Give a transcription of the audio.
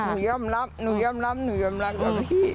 ยอมรับหนูยอมรับหนูยอมรับกับพี่